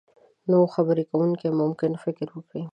نو خبرې کوونکی ممکن فکر وکړي.